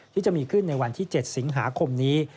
ที่จะมีขึ้นในวันที่๗สิงหาคมนี้